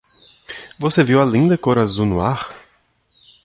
Você viu a linda cor azul no ar?